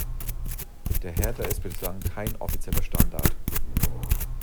Der Header ist bislang kein offizieller Standard.